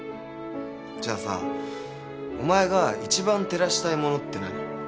じゃあさお前が一番照らしたいものって何？